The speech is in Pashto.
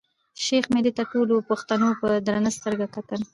شېخ ملي ته ټولو پښتنو په درنه سترګه کتل.